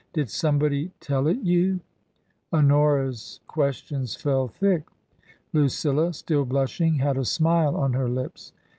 Did somebody tell it you ?" Honora's questions fell thick. Lucilla, still blushing, had a smile on her lips.